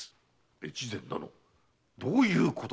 越前殿どういうことですかな